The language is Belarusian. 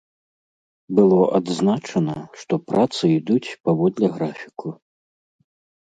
Было адзначана, што працы ідуць паводле графіку.